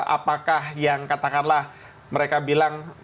apakah yang katakanlah mereka bilang